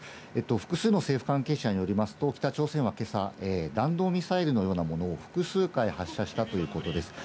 複数の政府関係者によりますと、北朝鮮は今朝、弾道ミサイルのようなものを複数回発射したということです。